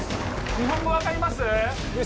日本語分かります？